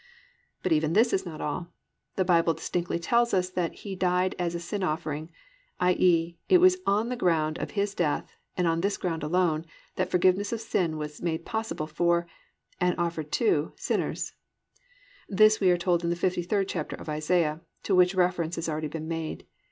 3. But even this is not all. The Bible distinctly tells us that _He died as a sin offering, i.e., it was on the ground of His death, and on this ground alone, that forgiveness of sin is made possible for and offered to sinners_. This we are told in the 53rd chapter of Isaiah, to which reference has already been made.